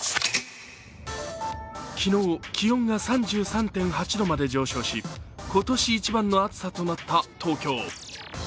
昨日、気温が３３．８度まで上昇し、今年一番の暑さとなった東京。